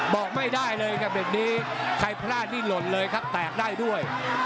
บอกไม่ได้เลยกับเด็กนี้ใครพลาดนี่หล่นเลยครับแตกได้ด้วย